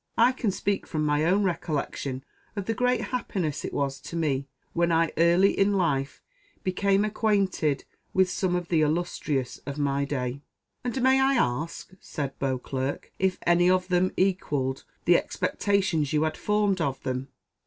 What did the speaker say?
I can speak from my own recollection, of the great happiness it was to me, when I early in life became acquainted with some of the illustrious of my day." "And may I ask," said Beauclerc, "if any of them equalled the expectations you had formed of them?"